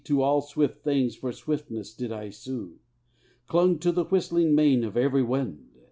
To all swift things for swiftness did I sue; Clung to the whistling mane of every wind.